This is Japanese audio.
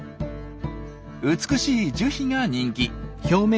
美しい樹皮が人気。